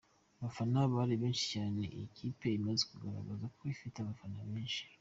Abafana bari benshi cyane, iyi kipe imaze kugaragaza ko ifite abafana benshi.